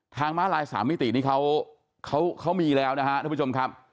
ทางม้าลายสามมิตินี่เขามีแล้วนะครับทุกผู้ชมครับ